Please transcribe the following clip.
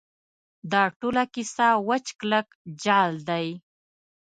دا ټوله کیسه وچ کلک جعل دی.